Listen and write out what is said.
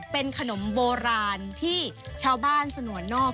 เป็นขนมโบราณที่ชาวบ้านสนวนนอก